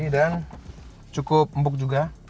dan cukup empuk juga